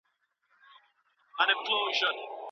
که د میاشو مخه ونیول سي، نو ملاریا نه زیاتیږي.